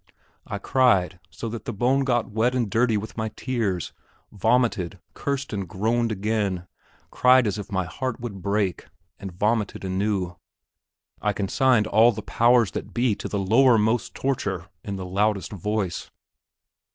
I cried, so that the bone got wet and dirty with my tears, vomited, cursed and groaned again, cried as if my heart would break, and vomited anew. I consigned all the powers that be to the lowermost torture in the loudest voice.